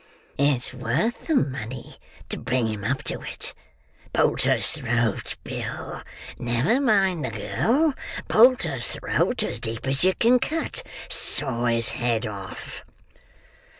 It's worth the money to bring him up to it—Bolter's throat, Bill; never mind the girl—Bolter's throat as deep as you can cut. Saw his head off!"